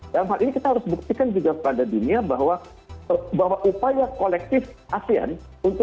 dalam hal ini kita harus buktikan juga pada dunia bahwa upaya kolektif asean